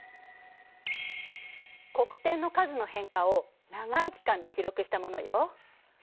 黒点の数の変化を長い期間で記録したものよ。